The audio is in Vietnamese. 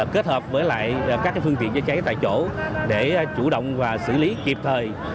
kết hợp với lại các phương tiện chữa cháy tại chỗ để chủ động và xử lý kịp thời